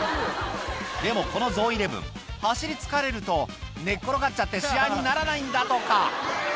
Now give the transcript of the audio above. でもこのゾウイレブン、走り疲れると、寝っ転がっちゃって試合にならないんだとか。